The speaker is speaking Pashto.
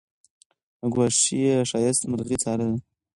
له ګوښې یې ښایسته مرغۍ څارله